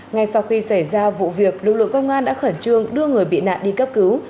ngay sau khi xảy ra vụ việc lực lượng công an đã khẩn trương đưa người bị nạn đi cấp cứu